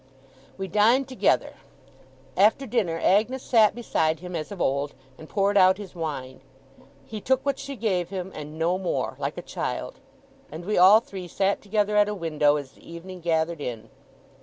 We dined together. After dinner, Agnes sat beside him, as of old, and poured out his wine. He took what she gave him, and no more like a child and we all three sat together at a window as the evening gathered in.